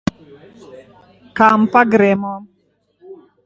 Kam pa gremo?